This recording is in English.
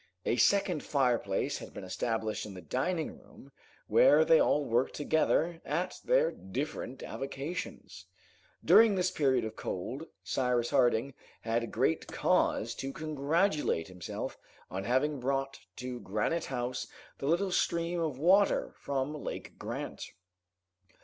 A second fireplace had been established in the dining room, where they all worked together at their different avocations. During this period of cold, Cyrus Harding had great cause to congratulate himself on having brought to Granite House the little stream of water from Lake Grant.